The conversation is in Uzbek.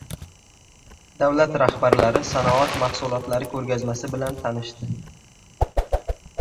Davlat rahbarlari sanoat mahsulotlari ko‘rgazmasi bilan tanishdi